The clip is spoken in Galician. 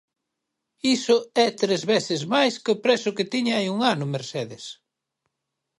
Iso é tres veces máis que o prezo que tiña hai un ano, Mercedes.